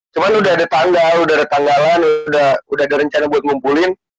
cuman udah ada tanggal udah ada tanggalan udah ada rencana buat ngumpulin